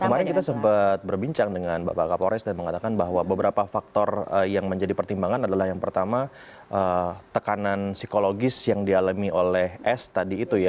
kemarin kita sempat berbincang dengan bapak kapolres dan mengatakan bahwa beberapa faktor yang menjadi pertimbangan adalah yang pertama tekanan psikologis yang dialami oleh s tadi itu ya